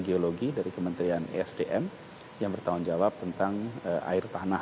geologi dari kementerian esdm yang bertanggung jawab tentang air tanah